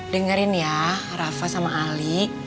dengerin ya rafa sama ali